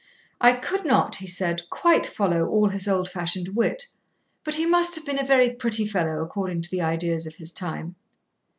'I could not,' he said, 'quite follow all his old fashioned wit, but he must have been a very pretty fellow, according to the ideas of his time.'